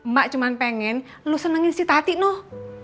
mbak cuma pengen lu senengin si tati noh